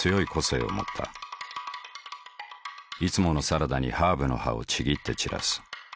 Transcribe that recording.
いつものサラダにハーブの葉をちぎって散らす。